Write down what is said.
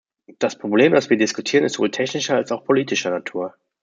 Das Problem, das wir diskutieren, ist sowohl technischer als auch politischer Natur.